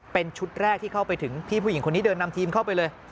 เป็นชุดแรกที่เข้าไปถึงพี่ผู้หญิงคนนี้เดินนำทีมเข้าไปเลย